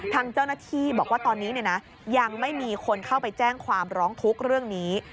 ทางเจ้าหน้าที่บอกว่าตอนนี้ยังไม่มีคนเข้าไปแจ้งความร้องทุกข์เรื่องนี้